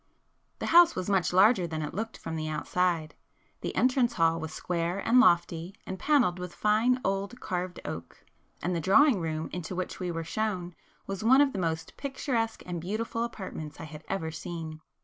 The house was much larger than it looked from the outside; the entrance hall was square and lofty, and panelled with fine old carved oak, and the drawing room into which we were shown was one of the most picturesque and beautiful apartments I had ever seen.